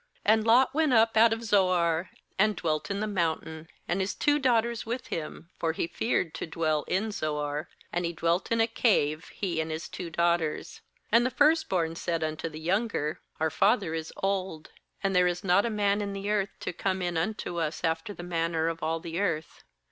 30And Lot went up put of Zoar, and dwelt in the mountain, and his two daughters with him; for he feared to dwell in Zoar; and he dwelt in a cave, he and his two daughters. 3lAnd the first born said unto the younger :' Our father is old, and there is not a man in the earth to come in unto us after the manner of all the earth.